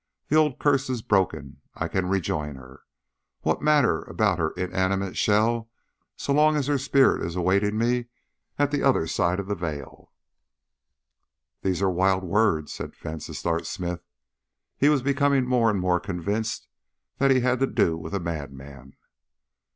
The old curse is broken. I can rejoin her. What matter about her inanimate shell so long as her spirit is awaiting me at the other side of the veil!" "These are wild words," said Vansittart Smith. He was becoming more and more convinced that he had to do with a madman.